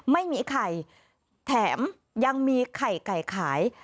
ไม่มีไข่แถมยังมีไข่ไก่ขาย